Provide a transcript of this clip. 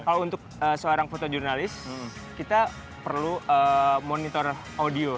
kalau untuk seorang foto jurnalis kita perlu monitor audio